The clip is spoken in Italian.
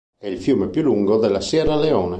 È il fiume più lungo della Sierra Leone.